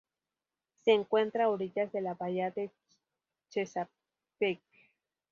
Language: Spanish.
Se encuentra a orillas de la bahía de Chesapeake.